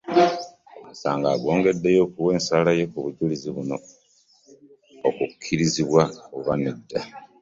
Omusango agwongeddeyo okuwa ensala ye ku bujulizi buno okukkirizibwa oba nedda.